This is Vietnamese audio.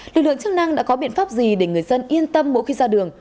lực lượng chức năng đã có biện pháp gì để người dân yên tâm mỗi khi ra đường